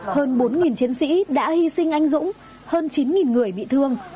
hơn bốn chiến sĩ đã hy sinh anh dũng hơn chín người bị thương